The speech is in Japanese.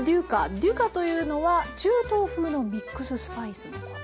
「デュカ」というのは中東風のミックススパイスのこと。